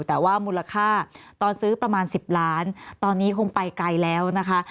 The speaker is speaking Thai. แต่ว่ามูลค่าตอนซื้อประมาณ๑๐ล้านตอนนี้คงไปไกลแล้วนะคะ